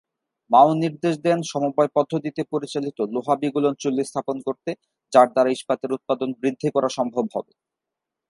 মাও নির্দেশ দেন সমবায় পদ্ধতিতে পরিচালিত লোহা-বিগলন চুল্লী স্থাপন করতে যার দ্বারা ইস্পাতের উৎপাদন বৃদ্ধি করা সম্ভব হবে।